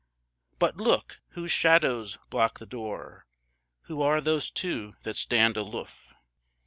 But look! whose shadows block the door? Who are those two that stand aloof?